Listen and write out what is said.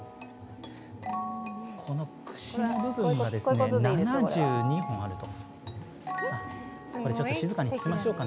この串の部分が７２本あると。